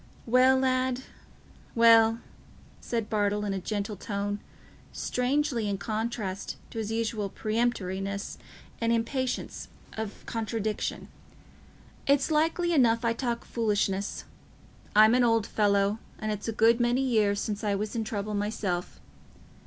"Well, lad, well," said Bartle, in a gentle tone, strangely in contrast with his usual peremptoriness and impatience of contradiction, "it's likely enough I talk foolishness. I'm an old fellow, and it's a good many years since I was in trouble myself.